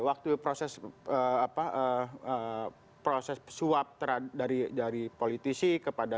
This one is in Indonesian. waktu proses suap dari politisi kepada